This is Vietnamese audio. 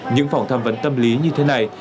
những phòng tham vấn tâm lý như thế này